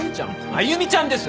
歩ちゃんです！